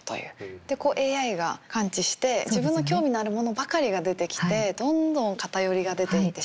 でこうＡＩが感知して自分の興味のあるものばかりが出てきてどんどん偏りが出ていってしまうという。